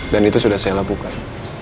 dan itu sudah saya lakukan